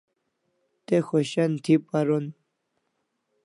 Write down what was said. Te khoshan thi paron